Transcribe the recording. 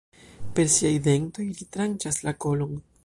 Per siaj dentoj, ri tranĉas la kolon.